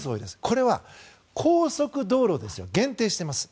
これは、高速道路ですよ限定しています。